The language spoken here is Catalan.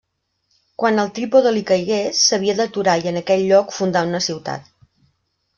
Quan el trípode li caigués, s'havia d'aturar i en aquell lloc fundar una ciutat.